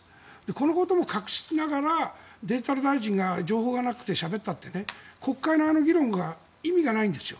このことも隠しながらデジタル大臣が、情報がなくてしゃべったって国会のあの議論の意味がないんですよ。